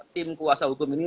tim kuasa hukum ini